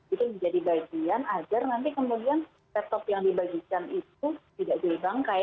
itu menjadi bagian agar nanti kemudian laptop yang dibagikan itu tidak jadi bangkai